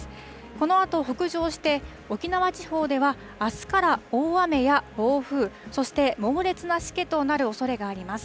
このあと北上して、沖縄地方ではあすから大雨や暴風、そして猛烈なしけとなるおそれがあります。